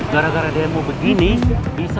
gara gara demo begini bisa